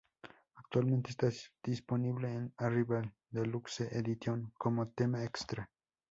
Actualmente está disponible en "Arrival Deluxe Edition" como tema extra.